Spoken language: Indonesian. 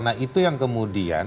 nah itu yang kemudian